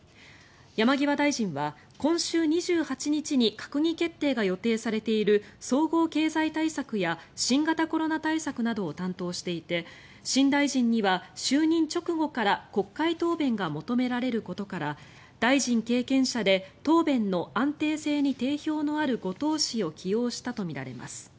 山際大臣は今週２８日に閣議決定が予定されている総合経済対策や新型コロナ対策などを担当していて新大臣には就任直後から国会答弁が求められることから大臣経験者で答弁の安定性に定評のある後藤氏を起用したとみられます。